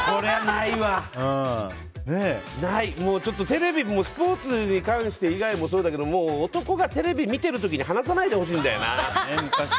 テレビもスポーツに関して以外もだけど男がテレビ見てる時に話さないでほしいんだよな。